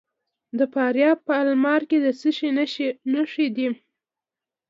د فاریاب په المار کې د څه شي نښې دي؟